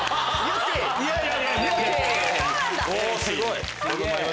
すごい！